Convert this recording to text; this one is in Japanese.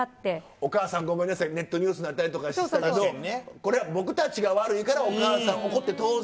「お母さんごめんなさいネットニュースになったりとかしたけどこれは僕たちが悪いからお母さん怒って当然だ」と。